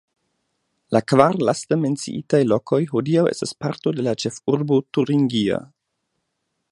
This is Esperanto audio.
La kvar laste menciitaj lokoj hodiaŭ estas parto de la ĉefurbo turingia.